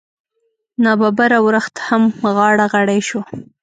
نا ببره ورښت هم غاړه غړۍ شو.